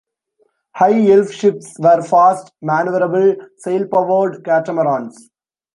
High Elf ships were fast maneuverable sail powered Catamarans.